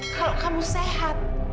kalau kamu sehat